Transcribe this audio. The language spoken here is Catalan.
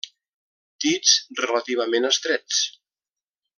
Dits relativament estrets.